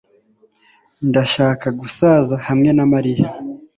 Ndashaka gusaza hamwe na Mariya